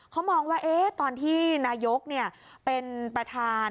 เขามองว่าตอนที่นายกเป็นประธาน